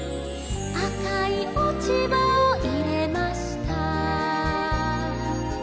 「赤い落ち葉を入れました」